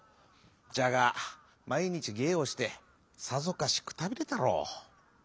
じゃがまいにちげいをしてさぞかしくたびれたろう。